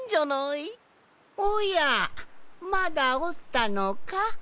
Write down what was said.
おやまだおったのか？